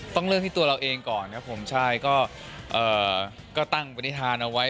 ต้องเริ่มที่ตัวเราเองก่อนครับผมใช่ก็ตั้งปฏิฐานเอาไว้